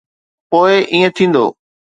پوءِ ائين ٿيندو.